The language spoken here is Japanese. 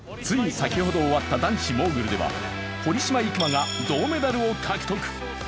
つい先ほど終わった男子モーグルでは堀島行真が銅メダルを獲得。